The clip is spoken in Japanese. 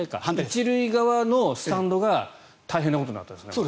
１塁側のスタンドが大変なことになったんですね。